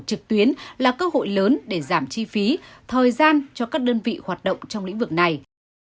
trực tuyến là cơ hội lớn để giảm chi phí thời gian cho các đơn vị hoạt động trong lĩnh vực này